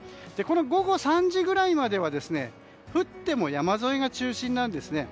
午後３時ぐらいまでは降っても山沿いが中心なんですね。